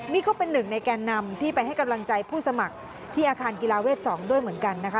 นี่ก็เป็นหนึ่งในแกนนำที่ไปให้กำลังใจผู้สมัครที่อาคารกีฬาเวท๒ด้วยเหมือนกันนะคะ